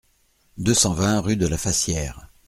deux cent vingt rue de la Fassière